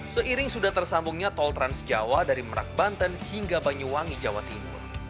seiring sudah tersambungnya tol transjawa dari merak banten hingga banyuwangi jawa timur